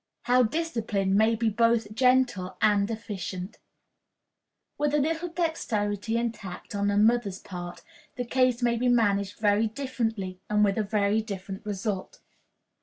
How Discipline may be both Gentle and Efficient. With a little dexterity and tact on the mother's part, the case may be managed very differently, and with a very different result.